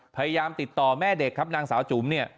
พยายามติดต่อแม่เด็กครับนางสาวจุ๋มเนี่ย